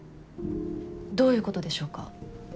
どういう事でしょうか？